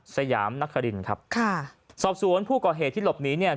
สยามนครินครับค่ะสอบสวนผู้ก่อเหตุที่หลบหนีเนี่ย